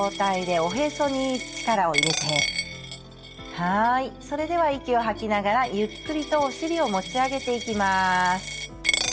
はいそれでは息を吐きながらゆっくりとお尻を持ち上げていきます。